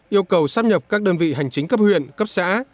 yêu cầu sắp nhập các đơn vị hành chính cấp huyện cấp xã